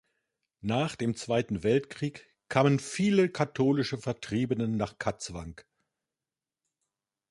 Nach dem Zweiten Weltkrieg kamen viele katholische Vertriebene nach Katzwang.